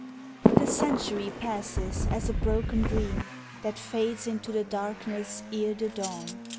The century passes as a broken dream That fades into the darkness ere the dawn!